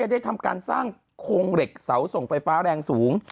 ได้ทำการสร้างโครงเหล็กเสาส่งไฟฟ้าแรงสูง